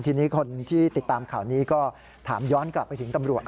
ทีนี้คนที่ติดตามข่าวนี้ก็ถามย้อนกลับไปถึงตำรวจ